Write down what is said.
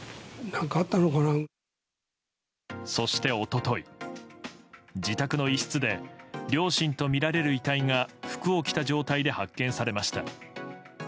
そして一昨日、自宅の一室で両親とみられる遺体が服を着た状態で発見されました。